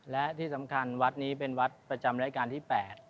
และที่สำคัญวัดนี้เป็นวัดประจำรายการที่๘